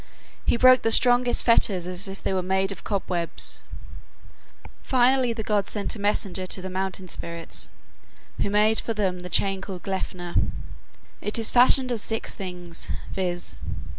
He broke the strongest fetters as if they were made of cobwebs. Finally the gods sent a messenger to the mountain spirits, who made for them the chain called Gleipnir. It is fashioned of six things, viz.